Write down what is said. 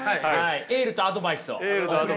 エールとアドバイスを。